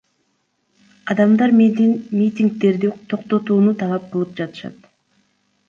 Адамдар менден митингдерди токтотууну талап кылып жатышат.